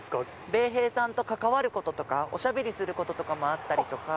米兵さんと関わることとか、おしゃべりすることもあったりとか。